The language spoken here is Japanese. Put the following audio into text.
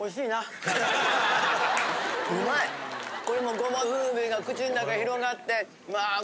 これもごまの風味が口の中広がってわあ